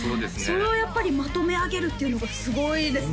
それをやっぱりまとめ上げるっていうのがすごいですね